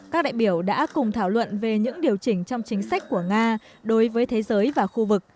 các đại biểu đã cùng thảo luận về những điều chỉnh trong chính sách của nga đối với thế giới và khu vực